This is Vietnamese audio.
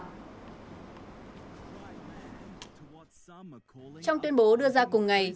trong tuyên bố đưa ra cùng ngày